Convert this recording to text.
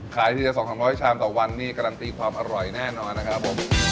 ทีละ๒๓๐๐ชามต่อวันนี่การันตีความอร่อยแน่นอนนะครับผม